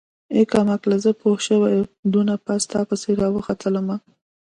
ای کمقله زه پوشوې دونه پاس تاپسې راوختلمه.